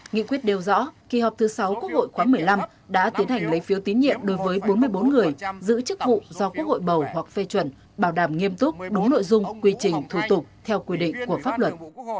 nghị quyết đều rõ kỳ họp thứ sáu quốc hội khoáng một mươi năm đã tiến hành lấy phiếu tín nhiệm đối với bốn mươi bốn người giữ chức vụ do quốc hội bầu hoặc phê chuẩn bảo đảm nghiêm túc đúng nội dung quy trình thủ tục theo quy định của pháp luật